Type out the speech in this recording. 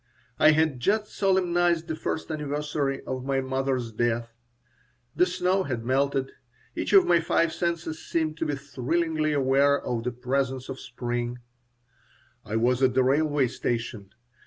I had just solemnized the first anniversary of my mother's death. The snow had melted. Each of my five senses seemed to be thrillingly aware of the presence of spring I was at the railway station.